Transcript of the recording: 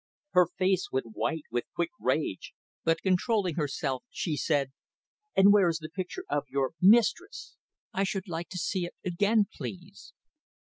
Her face went white with quick rage, but, controling herself, she said, "And where is the picture of your mistress? I should like to see it again, please."